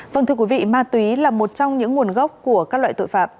vâng thưa quý vị ma túy là một trong những nguồn gốc của các loại tội phạm